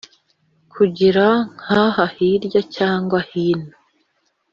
kugera nk’aha hirya cyangwa hino